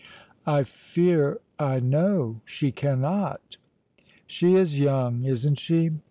"I fear, I know, she cannot!" "She is young, isn't she?"